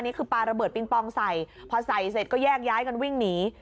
ปลาคือปลาระเบิดปิงปองใส่พอใส่เสร็จก็แยกย้ายกันวิ่งหนี